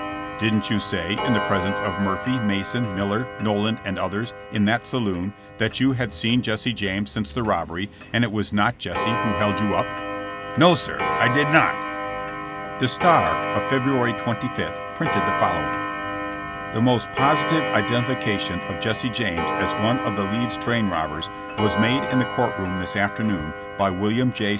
"Didn't you say, in the presence of Murphy, Mason, Miller, Noland and others, in that saloon, that you had seen Jesse James since the robbery, and it was not Jesse who held you up ?" "No, sir; I did not." The Star of February 25 printed the following: "The most positive identification of Jesse James as one of the Leeds train robbers was made in the court room this afternoon by William J.